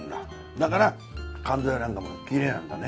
だから肝臓やなんかもきれいなんだね。